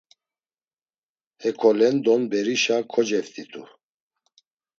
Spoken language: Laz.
Hekolendon berişa koceft̆itu.